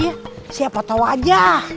ya ya siapa tau aja